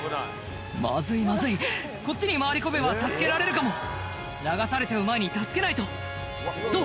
まずいまずいこっちに回り込めば助けられるかも流されちゃう前に助けないとどう？